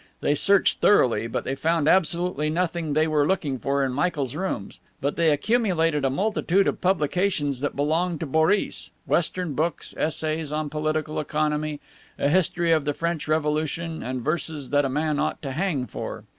They searched thoroughly, but they found absolutely nothing they were looking for in Michael's rooms. But they accumulated a multitude of publications that belonged to Boris: Western books, essays on political economy, a history of the French Revolution, and verses that a man ought to hang for.